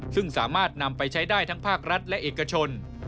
ซึ่งสามารถนำไปใช้ได้ทั้งภาครัฐและเอกชน